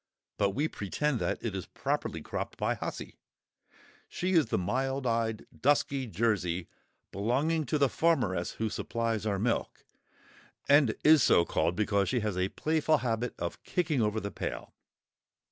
But we pretend that it is properly cropped by "Hussy;" she is the mild eyed dusky Jersey, belonging to the farmeress who supplies our milk, and is so called, because she has a playful habit of kicking over the pail.